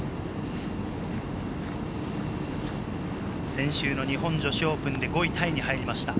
先週の日本女子オープンで５位タイに入りました。